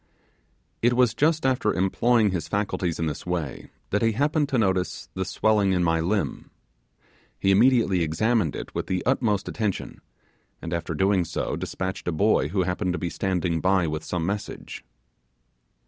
It was just after employing his faculties in this way that he happened to notice the swelling in my limb. He immediately examined it with the utmost attention, and after doing so, despatched a boy who happened to be standing by with some message.